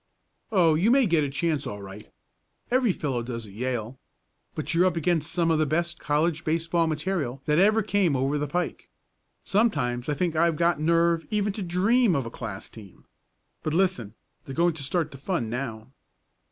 "Oh, you may get a chance all right. Every fellow does at Yale. But you're up against some of the best college baseball material that ever came over the pike. Sometimes I think I've got nerve even to dream of a class team. But listen they're going to start the fun now."